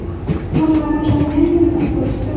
Umujura amuca mu myanya y’intoki ngo: « Pyo!»